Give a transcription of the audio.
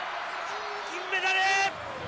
金メダル！